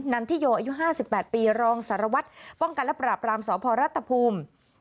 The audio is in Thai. ันทิโยอายุ๕๘ปีรองสารวัตรป้องกันและปราบรามสพรัฐภูมิ